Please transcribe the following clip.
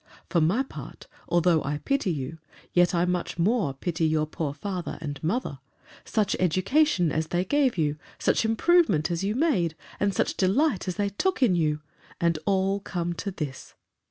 For my part; although I pity you, yet I much more pity your poor father and mother. Such education as they gave you! such improvement as you made! and such delight as they took in you!—And all come to this!